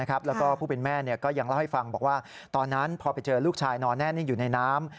แล้วผู้เป็นแม่ก็ยังเล่าให้ฟังตอนนั้นประเศษหลุกชายนอนแน่นอยู่ในน้ำ